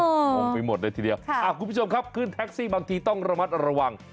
งงไปหมดเลยทีเดียวคุณผู้ชมครับขึ้นแท็กซี่บางทีต้องระมัดระวัง